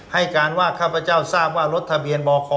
ให้การว่าข้าพเจ้าทราบว่ารถทะเบียนบค